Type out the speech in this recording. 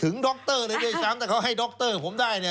ถึงดรเลยด้วยช้ำแต่เขาให้ดรผมได้